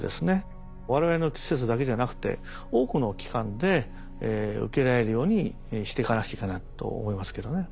我々の施設だけじゃなくて多くの機関で受けられるようにしていかなくちゃいけないと思いますけどね。